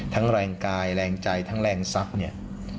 ทั้งแรงกายแรงใจทั้งแรงทรัพย์